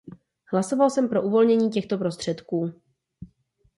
Hlasoval jsem pro uvolnění těchto prostředků.